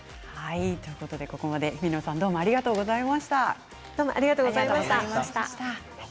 ここまで日比野さんありがとうございました。